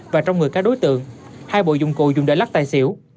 và trong người các đối tượng hai bộ dụng cụ dùng để lắc tài xỉu